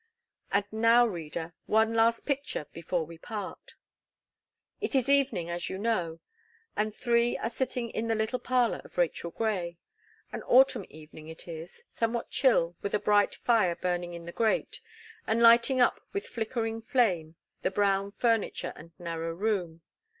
And now, reader, one last picture before we part. It is evening, as you know, and three are sitting in the little parlour of Rachel Gray. An autumn evening it is, somewhat chill with a bright fire burning in the grate, and lighting up with flickering flame the brown furniture and narrow room.